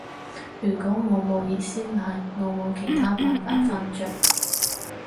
如果我冇熱鮮奶，我冇其他辦法瞓着